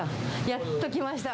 やっと来ました。